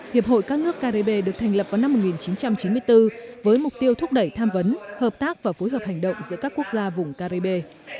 hiệp hội các nước caribe được thành lập vào năm một nghìn chín trăm chín mươi bốn với mục tiêu thúc đẩy tham vấn hợp tác và phối hợp hành động giữa các quốc gia vùng caribe